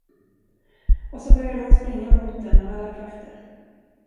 Och så började hon springa mot den av alla krafter.